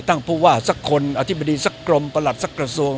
ผู้ว่าสักคนอธิบดีสักกรมประหลัดสักกระทรวง